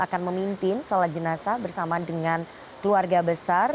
akan memimpin sholat jenazah bersama dengan keluarga besar